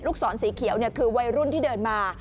ศรสีเขียวคือวัยรุ่นที่เดินมา